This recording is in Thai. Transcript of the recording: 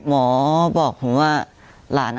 หมอบอกผมว่า